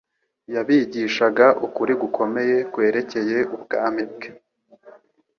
Yabigishaga ukuri gukomeye kwerekoye ubwami bwe.